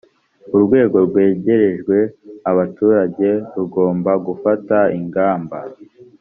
urwego rwegerejwe abaturage rugomba gufata ingamba